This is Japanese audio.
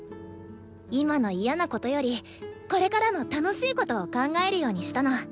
今の嫌なことよりこれからの楽しいことを考えるようにしたの。